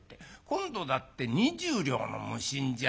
今度だって２０両の無心じゃないか。